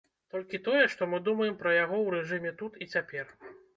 Толькі тое, што мы думаем пра яго ў рэжыме тут і цяпер.